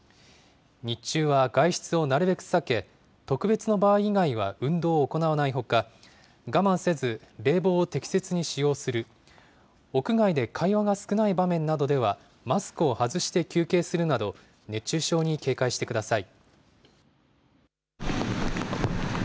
日中は外出をなるべく避け、特別な場合以外は運動を行わないほか、我慢せず、冷房を適切に使用する、屋外で会話が少ない場面などではマスクを外して休憩するなど、熱中症に警戒してください。